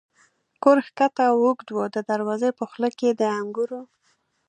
کور کښته او اوږد و، د دروازې په خوله کې د انګورو.